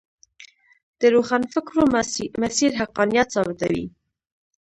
د روښانفکرو مسیر حقانیت ثابتوي.